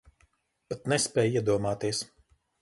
Pat nespēj iedomāties.